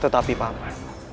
tetapi pak man